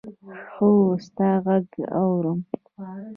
هو! ستا ږغ اورم.